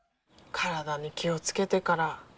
体に気をつけてから。